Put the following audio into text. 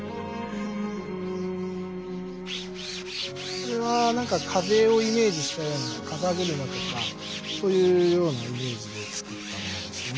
これはなんか風をイメージしたような風車とかそういうようなイメージで作ったものですね。